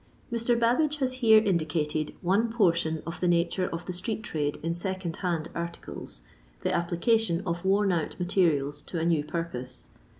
Mr. Babbage has here indicated one portion of tlie nature of the street trade in second hand articles — the application of worn out mate rials to a new purpose.